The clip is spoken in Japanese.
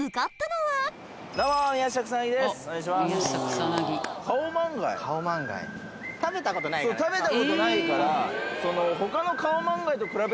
そう食べたことないから。